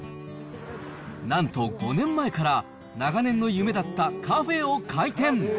なんと５年前から、長年の夢だったカフェを開店。